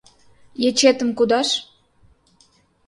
Ечетым кудаш.